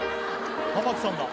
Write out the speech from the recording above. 玉置さんだ